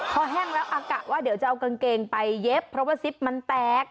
พอแห้งแล้วอากาศว่าเดี๋ยวจะเอากางเกงไปเย็บเพราะว่าซิปมันแตก